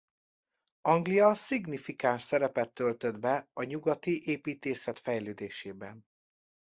Anglia szignifikáns szerepet töltött be a nyugati építészet fejlődésében.